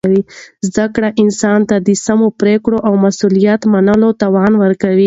زده کړه انسان ته د سمو پرېکړو او مسؤلیت منلو توان ورکوي.